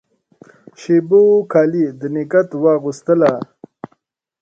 شېبو کالي د نګهت واغوستله